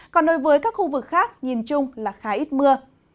còn đối với các khu vực khác nhìn chung là khá ít mưa